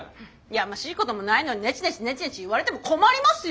やましいこともないのにネチネチネチネチ言われても困りますよ。